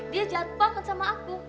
dia jatuh banget sama aku